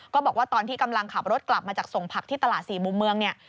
บอกว่าตอนที่กำลังขับรถกลับมาจากส่งผักที่ตลาดสี่มุมเมืองเนี่ย